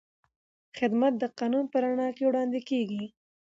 خدمت د قانون په رڼا کې وړاندې کېږي.